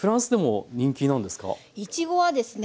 いちごはですね